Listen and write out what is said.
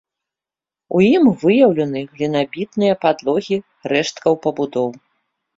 У ім выяўлены глінабітныя падлогі рэшткаў пабудоў.